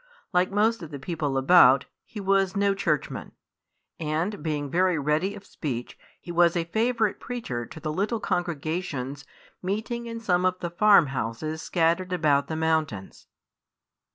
Like most of the people about, he was no Churchman; and being very ready of speech he was a favourite preacher to the little congregations meeting in some of the farm houses scattered about the mountains.